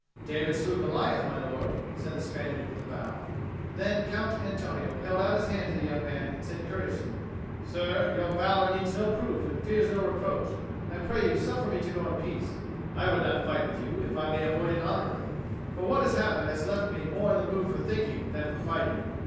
"David slew Goliath, my lord," said the Spaniard with a bow. Then Count Antonio held out his hand to the young man and said courteously, "Sir, your valour needs no proof and fears no reproach. I pray you suffer me to go in peace. I would not fight with you, if I may avoid it honourably. For what has happened has left me more in the mood for thinking than for fighting.